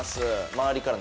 周りから。